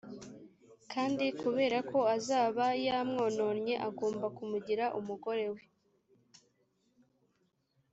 kandi kubera ko azaba yamwononnye, agomba kumugira umugore we,